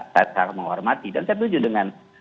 saya sangat menghormati dan saya setuju dengan